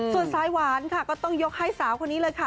ส่วนสายหวานค่ะก็ต้องยกให้สาวคนนี้เลยค่ะ